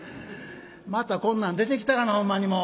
「またこんなん出てきたがなほんまにもう。